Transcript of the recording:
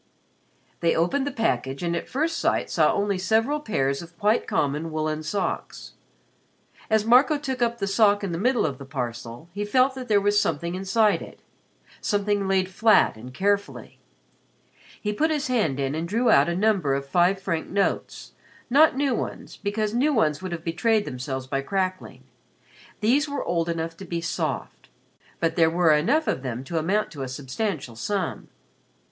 They opened the package and at first sight saw only several pairs of quite common woolen socks. As Marco took up the sock in the middle of the parcel, he felt that there was something inside it something laid flat and carefully. He put his hand in and drew out a number of five franc notes not new ones, because new ones would have betrayed themselves by crackling. These were old enough to be soft. But there were enough of them to amount to a substantial sum.